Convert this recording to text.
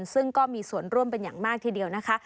ซึ่งก็มีส่วนร่วมเป็นอย่างมากทีเดียวนะคะ